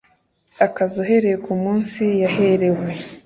akazi uhereye ku munsi yaherewe